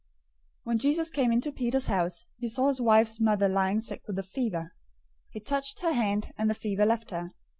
008:014 When Jesus came into Peter's house, he saw his wife's mother lying sick with a fever. 008:015 He touched her hand, and the fever left her.